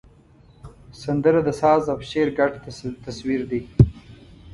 سندره د ساز او شعر ګډ تصویر دی